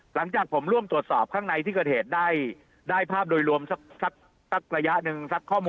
หลังจากผมร่วมตรวจสอบข้างในที่เกิดเหตุได้ภาพโดยรวมสักระยะหนึ่งสักข้อมูล